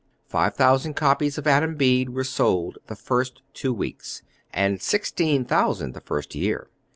Five thousand copies of Adam Bede were sold the first two weeks, and sixteen thousand the first year.